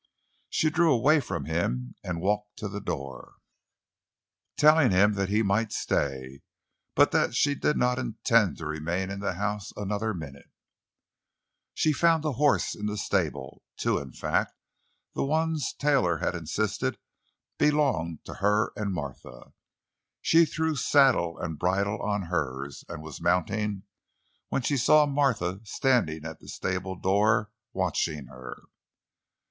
She drew away from him and walked to the door, telling him that he might stay, but that she did not intend to remain in the house another minute. She found a horse in the stable—two, in fact—the ones Taylor had insisted belonged to her and Martha. She threw saddle and bridle on hers, and was mounting, when she saw Martha standing at the stable door, watching her.